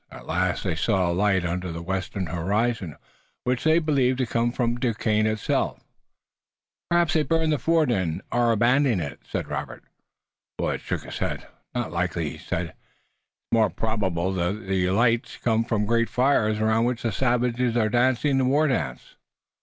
At last they saw a light under the western horizon, which they believed to come from Duquesne itself. "Perhaps they've burned the fort and are abandoning it," said Robert. Willet shook his head. "Not likely," he said. "It's more probable that the light comes from great fires, around which the savages are dancing the war dance."